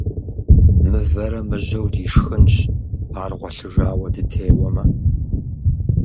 Мывэрэ мыжьэу дишхынщ, ар гъуэлъыжауэ дытеуэмэ.